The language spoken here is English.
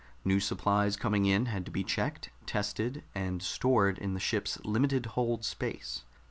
New supplies coming in had to be checked, tested, and stored in the ship's limited hold space.